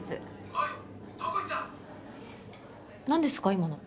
今の。